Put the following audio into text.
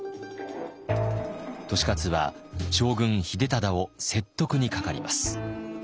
利勝は将軍秀忠を説得にかかります。